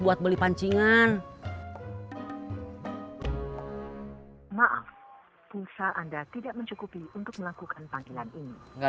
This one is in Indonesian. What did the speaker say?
buat beli pancingan maaf pulsa anda tidak mencukupi untuk melakukan panggilan ini